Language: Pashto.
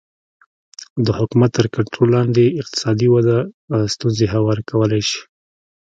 د حکومت تر کنټرول لاندې اقتصادي وده ستونزې هوارې کولی شي